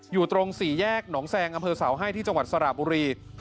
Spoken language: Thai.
อยู่ตรงสี่แยกหนองแซงอำเภอเสาให้ที่จังหวัดสระบุรี